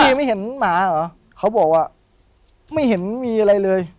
ไม่เห็นหมาเหรอเขาบอกว่าไม่เห็นมีอะไรเลย